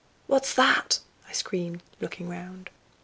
"What's that?" I screamed, looking round.